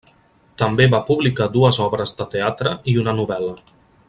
També va publicar dues obres de teatre i una novel·la.